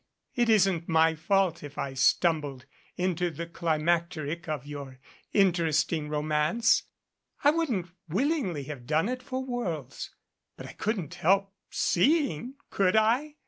It isn't my fault if I stumbled into the climacteric of your interesting romance. I wouldn't willingly have done it for worlds. But I couldn't help seeing, could I?